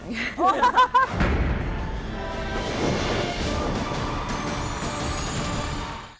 โปรดติดตามตอนต่อไป